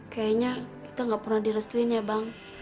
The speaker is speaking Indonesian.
kayaknya kita nggak pernah direstuin ya bang